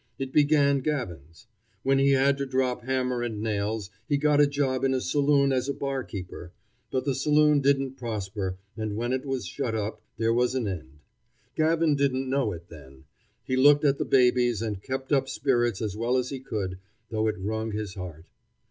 It began Gavin's. When he had to drop hammer and nails, he got a job in a saloon as a barkeeper; but the saloon didn't prosper, and when it was shut up, there was an end. Gavin didn't know it then. He looked at the babies and kept up spirits as well as he could, though it wrung his heart.